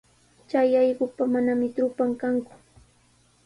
Chay allqupa manami trupan kanku.